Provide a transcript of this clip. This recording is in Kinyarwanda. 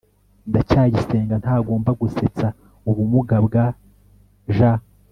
ndacyayisenga ntagomba gusetsa ubumuga bwa j